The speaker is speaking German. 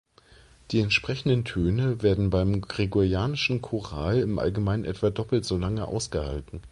Die entsprechenden Töne werden beim Gregorianischen Choral im Allgemeinen etwa doppelt so lang ausgehalten.